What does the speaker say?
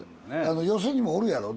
寄席にもおるやろ？